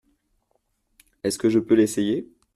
Est-ce que je peux l’essayer ?